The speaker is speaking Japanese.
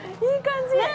いい感じ！